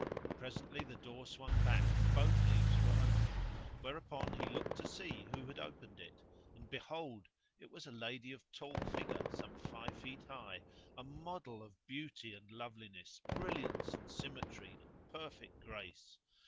Presently the door swung back and both leaves were opened, whereupon he looked to see who had opened it; and behold, it was a lady of tall figure, some five feet high; a model of beauty and loveliness, brilliance and symmetry and perfect grace.